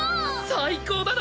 最高だな！